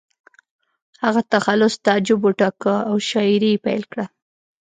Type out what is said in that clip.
هغه تخلص تعجب وټاکه او شاعري یې پیل کړه